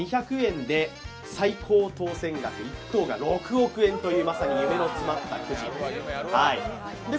１口２００円で最高当選額１等が６億円なのでまさに夢の詰まったくじ。